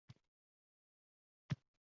U ham yondi bag’ri kabob